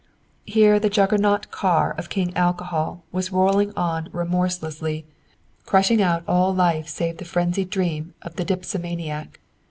Here the Juggernaut car of King Alcohol was rolling on remorselessly, crushing out all life save the frenzied dream of the dipsomaniac.